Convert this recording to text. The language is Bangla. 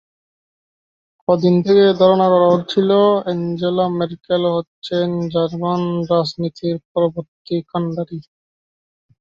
কদিন থেকেই ধারণা করা হচ্ছিল, অ্যাঙ্গেলা মেরকেল হচ্ছেন জার্মান রাজনীতির পরবর্তী কান্ডারি।